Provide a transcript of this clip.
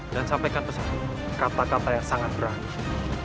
dan sampaikan pesanmu kata kata yang sangat berani